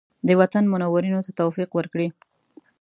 د وطن منورینو ته توفیق ورکړي.